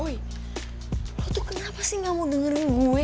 woy lo tuh kenapa sih gak mau dengerin gue